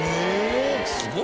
すごいな。